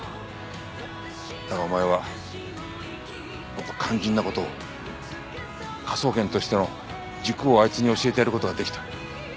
だがお前はもっと肝心な事を科捜研としての軸をあいつに教えてやる事が出来た。